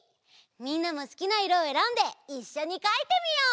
みんなもすきないろをえらんでいっしょにかいてみよう！